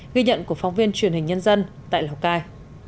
ghi nhận của phóng viên truyền hình nhân dân tại lào cai